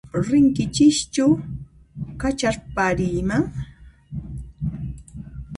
Rinkichischu kacharpariyman?